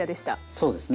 そうですね。